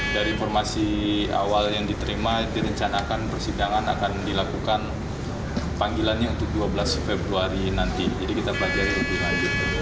dari informasi awal yang diterima direncanakan persidangan akan dilakukan panggilannya untuk dua belas februari nanti jadi kita pelajari lebih lanjut